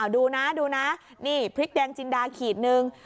ดูนะดูนะนี่พริกแดงจินดาขีดนึง